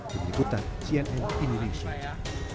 berikutan cnn indonesia